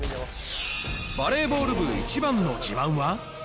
バレーボール部イチバンの自慢は？